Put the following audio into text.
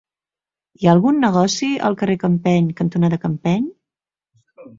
Hi ha algun negoci al carrer Campeny cantonada Campeny?